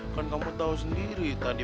kan kamu tahu sendiri tadi